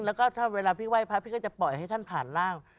แล้วก็ถ้าเวลาพี่ไหว้พระพี่ก็จะปล่อยให้ท่านผ่านร่าง